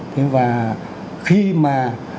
thế và khi mà